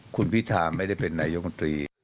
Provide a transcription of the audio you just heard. คุณพิธาไม่ได้เป็นนายกมนตรี